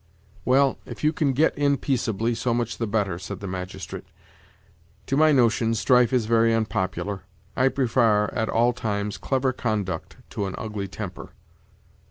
"Well, if you can get in peaceably, so much the better," said the magistrate. "To my notion, strife is very unpopular; I prefar, at all times, clever conduct to an ugly temper."